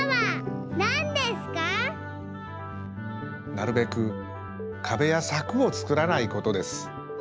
なるべくかべやさくをつくらないことです。